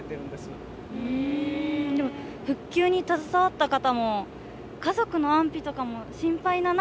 でも復旧に携わった方も家族の安否とかも心配な中。